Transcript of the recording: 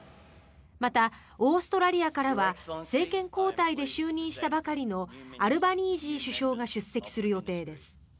また、オーストラリアからは政権交代で就任したばかりのアルバニージー首相が出席する予定です。